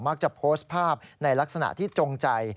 จะโพสต์ภาพในลักษณะที่จงใจ